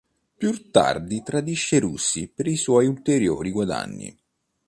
Più tardi tradisce i russi per i suoi ulteriori guadagni.